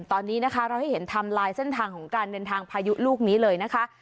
ตอนนี้นะคะเราให้เห็นทำลายเส้นทางของการเดินทางพายุลูกนี้เลยนะคะ